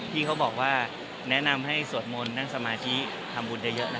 พี่เขาบอกว่าแนะนำให้สวดมนต์นั่งสมาธิทำบุญเยอะนะ